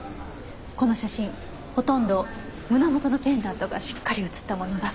この写真ほとんど胸元のペンダントがしっかり写ったものばかり。